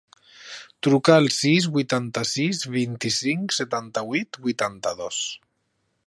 Truca al sis, vuitanta-sis, vint-i-cinc, setanta-vuit, vuitanta-dos.